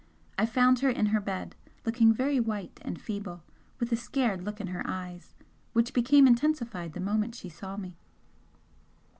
I found her in her bed, looking very white and feeble, with a scared look in her eyes which became intensified the moment she saw me.